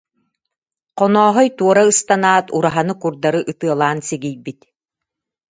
Хонооһой туора ыстанаат, ураһаны курдары ытыалаан сигийбит